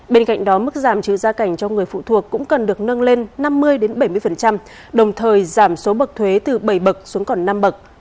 bên cạnh đó mức giảm trừ gia cảnh cho người phụ thuộc cũng cần được nâng lên năm mươi bảy mươi đồng thời giảm số bậc thuế từ bảy bậc xuống còn năm bậc